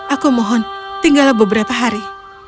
aku mohon tinggallah beberapa hari